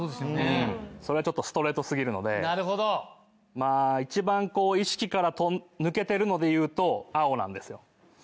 それはちょっとストレート過ぎるので一番意識から抜けてるのでいうと青なんですよ。